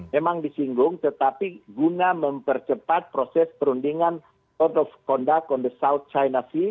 memang disinggung tetapi guna mempercepat proses perundingan